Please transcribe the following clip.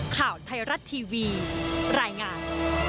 ข่าวไทยรัฐทีวีรายงาน